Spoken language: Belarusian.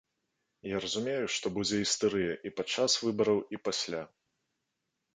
Я разумею, што будзе істэрыя і падчас выбараў, і пасля.